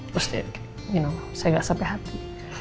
terus dia you know saya gak sampai hati